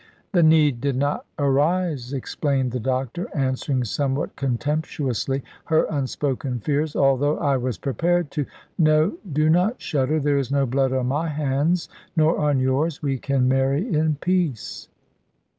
"The need did not arise," explained the doctor, answering somewhat contemptuously her unspoken fears; "although I was prepared to No, do not shudder; there is no blood on my hands, nor on yours. We can marry in peace."